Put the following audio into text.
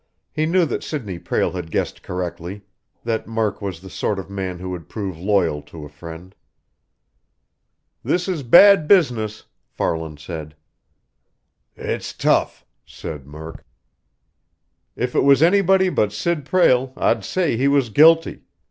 He knew that Sidney Prale had guessed correctly, that Murk was the sort of man who would prove loyal to a friend. "This is a bad business," Farland said. "It's tough," said Murk. "If it was anybody but Sid Prale, I'd say he was guilty.